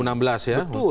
dan sekarang ada